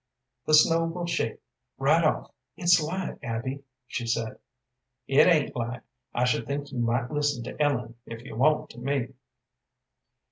"The snow will shake right off; it's light, Abby," she said. "It ain't light. I should think you might listen to Ellen, if you won't to me."